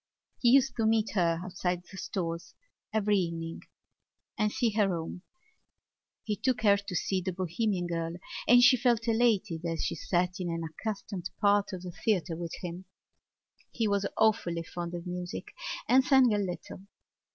He used to meet her outside the Stores every evening and see her home. He took her to see The Bohemian Girl and she felt elated as she sat in an unaccustomed part of the theatre with him. He was awfully fond of music and sang a little.